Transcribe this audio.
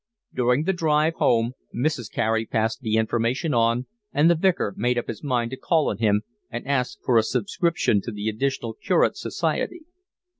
During the drive home Mrs. Carey passed the information on, and the Vicar made up his mind to call on him and ask for a subscription to the Additional Curates Society.